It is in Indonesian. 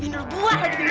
dia mau punya anak pini